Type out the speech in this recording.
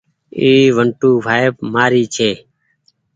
اي ونٽوڦآئڦ مآري هيتي ۔